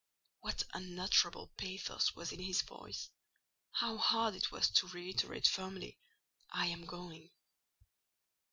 What unutterable pathos was in his voice! How hard it was to reiterate firmly, "I am going."